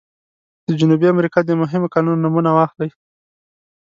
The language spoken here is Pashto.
د جنوبي امریکا د مهمو کانونو نومونه واخلئ.